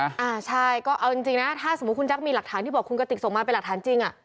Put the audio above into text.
อ่าใช่ก็เอาจริงนะถ้าสมมุติคุณแจ๊คมีหลักฐานที่บอกคุณกติกส่งมาเป็นหลักฐานจริงอ่ะ